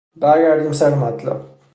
بر گردیم سر مطلب.